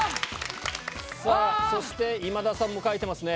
そして今田さんも書いてますね。